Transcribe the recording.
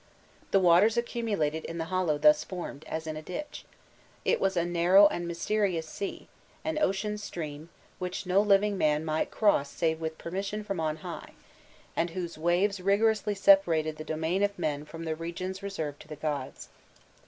The waters accumulated in the hollow thus formed, as in a ditch; it was a narrow and mysterious sea, an ocean stream, which no living man might cross save with permission from on high, and whose waves rigorously separated the domain of men from the regions reserved to the gods.